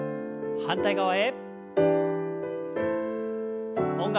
反対側へ。